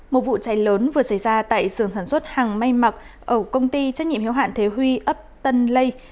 một vụ cháy lớn vừa xảy ra tại sườn sản xuất hàng may mặc ở công ty trách nhiệm hiếu hạn thế huy ấp tân lây